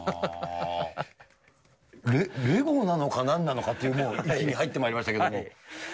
レゴなのか、なんなのかっていう域に入ってまいりましたけれども。